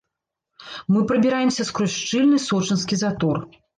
Мы прабіраемся скрозь шчыльны сочынскі затор.